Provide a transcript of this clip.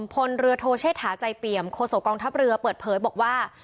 พลเรือโทเชษฐาใจเปี่ยมโคโสกองทัพเรือเปิดเผยบอกว่า